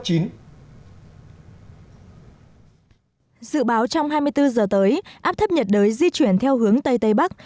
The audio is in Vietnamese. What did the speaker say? dự báo trong hai mươi bốn giờ tới áp thấp nhiệt đới di chuyển theo hướng tây tây bắc